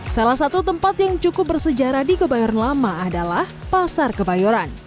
salah satu tempat yang cukup bersejarah di kebayoran lama adalah pasar kebayoran